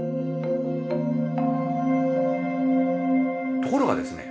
ところがですね